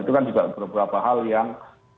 itu kan juga beberapa hal yang